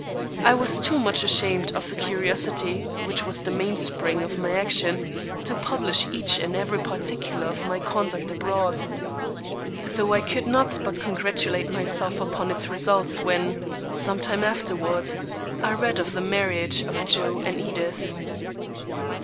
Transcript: I was too much ashamed of the curiosity which was the mainspring of my action to publish each and every particular of my conduct abroad; though I could not but congratulate myself upon its results when, some time afterward, I read of the marriage of Joe and Edith.